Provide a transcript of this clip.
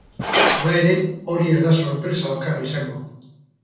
Hala ere, hori ez da sorpresa bakarra izango.